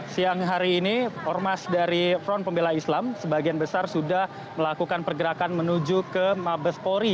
siang hari ini ormas dari front pembela islam sebagian besar sudah melakukan pergerakan menuju ke mabespori